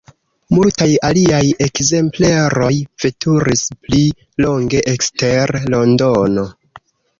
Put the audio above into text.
Multaj aliaj ekzempleroj veturis pli longe ekster Londono.